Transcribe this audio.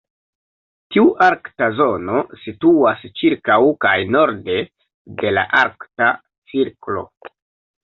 Tiu arkta zono situas ĉirkaŭ kaj norde de la Arkta Cirklo.